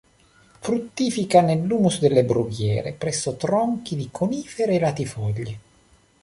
Fruttifica nell'humus delle brughiere, presso tronchi di conifere e latifoglie.